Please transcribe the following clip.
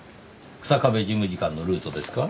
日下部事務次官のルートですか？